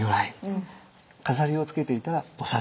飾りをつけていたら菩。